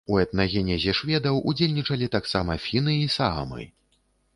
У этнагенезе шведаў удзельнічалі таксама фіны і саамы.